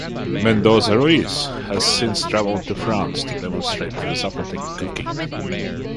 Mendoza Ruiz has since traveled to France to demonstrate Zapotec cooking.